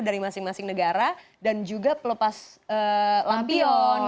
dari masing masing negara dan juga pelepas lampion